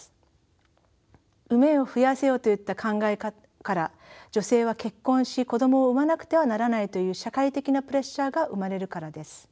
「産めよ増やせよ」といった考えから女性は結婚し子供を産まなくてはならないという社会的なプレッシャーが生まれるからです。